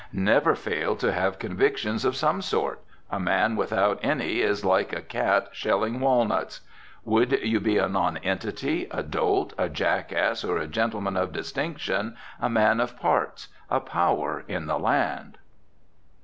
Never fail to have convictions of some sort. A man without any is like a cat shelling walnuts. Would you be a non entity, a dolt, a jackass, or a gentleman of distinction, a man of parts, a power in the land?